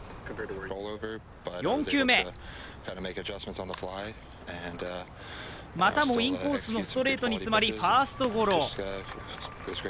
４球目、またもインコースのストレートに詰まり、ファーストゴロ。